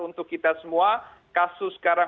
untuk kita semua kasus sekarang